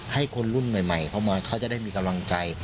ให้คนรุ่นใหม่เข้ามาเขาจะได้มีกำลังใจ